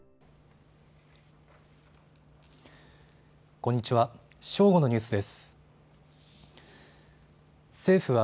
こんにちは。